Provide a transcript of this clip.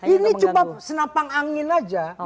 ini cuma senapang angin aja